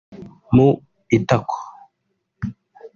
mu itako